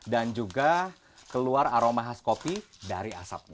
dan juga keluar aroma khas kopi dan juga ada rasa kering